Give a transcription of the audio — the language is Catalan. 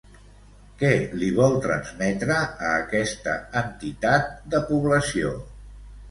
Què li vol transmetre a aquesta entitat de població?